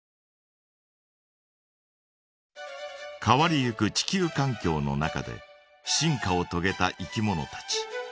変わりゆく地球かん境の中で進化をとげたいきものたち。